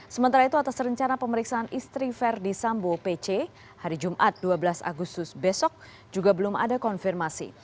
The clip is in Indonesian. sementara itu atas rencana pemeriksaan istri verdi sambo pc hari jumat dua belas agustus besok juga belum ada konfirmasi